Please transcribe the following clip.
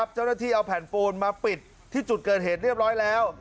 เจ้าหน้าที่เอาแผ่นปูนมาปิดที่จุดเกิดเหตุเรียบร้อยแล้ว